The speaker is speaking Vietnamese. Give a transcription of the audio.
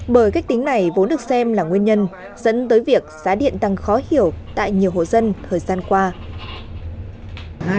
bởi cách tính này vốn được xem là nguyên nhân dẫn tới việc giá điện tăng khó hiểu tại nhiều hộ dân thời gian qua